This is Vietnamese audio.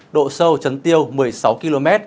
độ sâu chấn tiêu một mươi sáu km